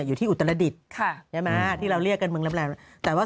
อยู่แพทย์แพทย์เมืองผีอยู่แพทย์